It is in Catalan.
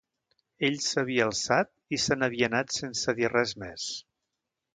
Ell s’havia alçat i se n’havia anat sense dir res més.